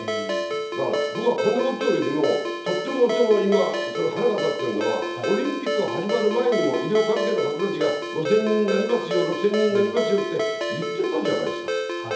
だから僕はこんなことよりも、とっても今、腹が立っているのは、オリンピック始まる前にも医療関係の方たちが、５０００人になりますよ、６０００人になりますよって言ってたじゃないですか。